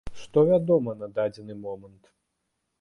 Што вядома на дадзены момант?